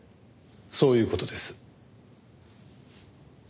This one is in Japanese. そういう事です。